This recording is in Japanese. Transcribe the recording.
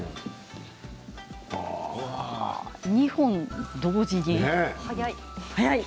２本同時で。